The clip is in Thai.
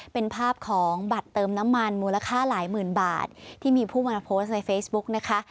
เป็นภาพของบัตรเติมน้ำมันมูลค่าหลายหมื่นบาทที่มีผู้มาโพสต์ในเฟซบุ๊กนะคะ